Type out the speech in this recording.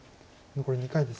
残り２回です。